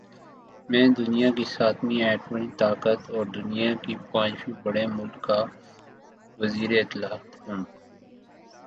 میں دنیا کی ساتویں ایٹمی طاقت اور دنیا کے پانچویں بڑے مُلک کا وزیراطلاعات ہوں